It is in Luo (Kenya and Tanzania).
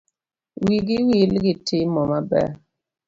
Wigi wil gi timo maber.